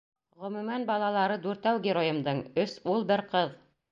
Ғөмүмән, балалары дүртәү геройымдың: өс ул, бер ҡыҙ.